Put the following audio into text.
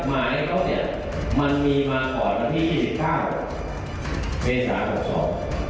หมายเขาเนี่ยมันมีมาก่อนวันที่ยี่สิบเก้าเมษาหกสอง